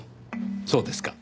そうですか。